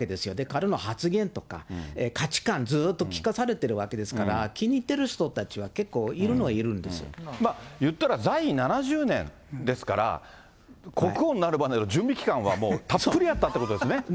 彼の発言とか価値観、ずっと聞かされてるわけですから、気に入っている人たちは結構いる言ったら、在位７０年ですから、国王になるまでの準備期間はもうたっぷりあったということですね。